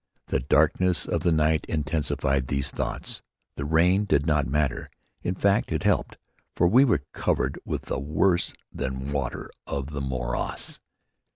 The darkness of the night intensified these thoughts. The rain did not matter. In fact it helped; for we were covered with the worse than water of the morass.